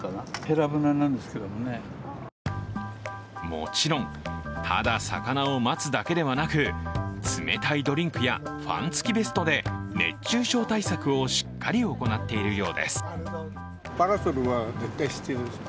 もちろん、ただ魚を待つだけではなく冷たいドリンクやファン付きベストで熱中症対策をしっかり行っているようです。